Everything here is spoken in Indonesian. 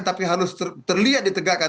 tapi harus terlihat ditegakkan